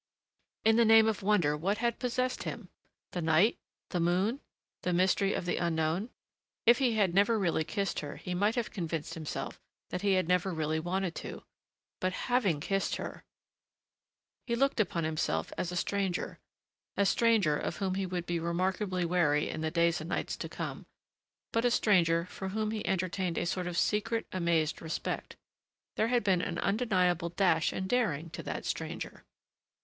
In the name of wonder, what had possessed him? The night? The moon? The mystery of the unknown?... If he had never really kissed her he might have convinced himself that he had never really wanted to. But having kissed her ! He looked upon himself as a stranger. A stranger of whom he would be remarkably wary, in the days and nights to come ... but a stranger for whom he entertained a sort of secret, amazed respect. There had been an undeniable dash and daring to that stranger....